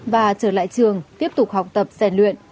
và trở lại trường tiếp tục học tập xen luyện